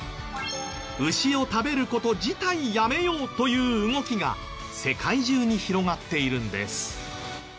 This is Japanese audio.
牛を食べる事自体やめようという動きが世界中に広がっているんです。